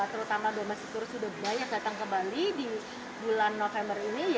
terutama domestituris sudah banyak datang ke bali di bulan november ini